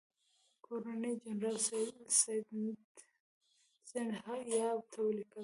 ګورنرجنرال سیندهیا ته ولیکل.